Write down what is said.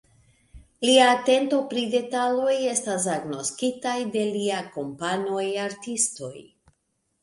Lia atento pri detaloj estas agnoskita de liaj kompanoj artistoj.